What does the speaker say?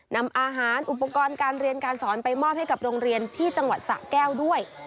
นำอาหารอุปกรณ์การเรียนการสอนไปมอบให้กับโรงเรียนที่จังหวัดสะแก้วด้วย